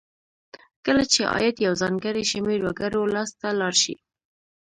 کله چې عاید یو ځانګړي شمیر وګړو لاس ته لاړ شي.